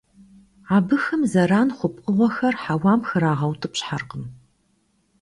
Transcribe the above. Абыхэм зэран хъу пкъыгъуэхэр хьэуам храгъэутӀыпщхьэркъым.